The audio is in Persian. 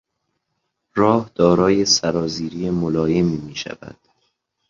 راه دارای سرازیری ملایمی میشود.